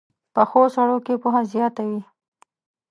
پخو سړو کې پوهه زیاته وي